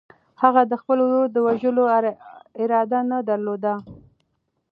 هغه د خپل ورور د وژلو اراده نه درلوده.